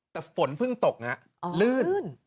แต่ฝนเพิ่งตกลื่น